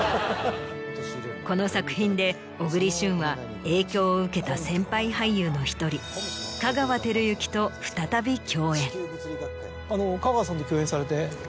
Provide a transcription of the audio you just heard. この作品で小栗旬は影響を受けた先輩俳優の１人香川照之と再び共演。